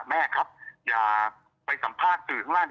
แม่ครับอย่าไปสัมภาษณ์สื่อข้างล่าง